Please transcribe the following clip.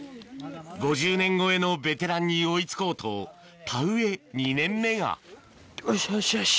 ５０年超えのベテランに追い付こうと田植え２年目がよしよしよし。